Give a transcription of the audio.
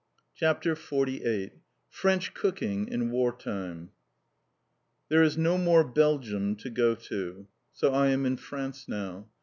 CHAPTER XLVIII FRENCH COOKING IN WAR TIME There is no more Belgium to go to. So I am in France now.